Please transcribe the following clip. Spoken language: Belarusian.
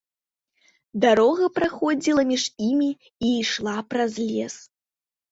Дарога праходзіла паміж імі і ішла праз лес.